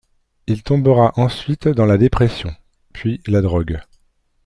Il tombera ensuite dans la dépression, puis la drogue.